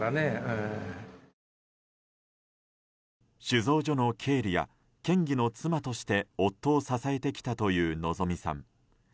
酒造所の経理や県議の妻として夫を支えてきたという希美さん。